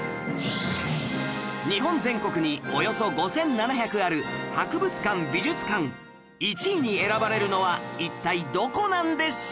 日本全国におよそ５７００ある博物館・美術館１位に選ばれるのは一体どこなんでしょう？